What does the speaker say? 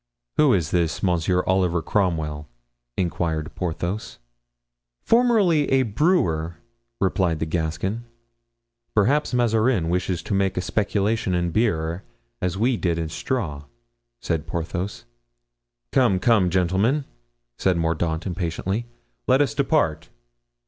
"Who is this Monsieur Oliver Cromwell?" inquired Porthos. "Formerly a brewer," replied the Gascon. "Perhaps Mazarin wishes to make a speculation in beer, as we did in straw," said Porthos. "Come, come, gentlemen," said Mordaunt, impatiently, "let us depart."